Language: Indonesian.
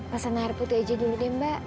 pesan air putih aja dulu deh mbak